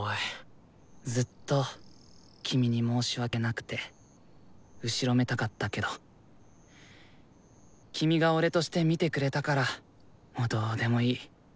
ずっと君に申し訳なくて後ろめたかったけど君が俺として見てくれたからもうどうでもいい。